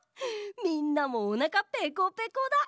みんなもおなかペコペコだ。